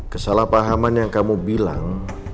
kesalahpahaman yang kamu bilang